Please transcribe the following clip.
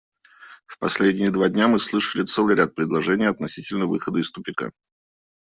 В последние два дня мы слышали целый ряд предложений относительно выхода из тупика.